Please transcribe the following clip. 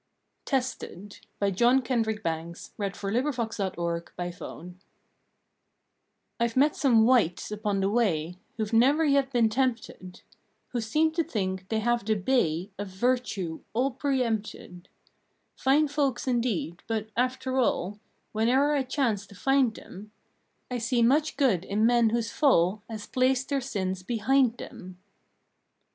past is gray, The Acorn holds the future day! October Ninth TESTED I VE met some wights upon the way Who ve never yet been tempted, Who seem to think they have the bay Of virtue all pre empted Fine folks indeed, but, after all, Whene er I chance to find them I see much good in men whose fall Has placed their sins behind them.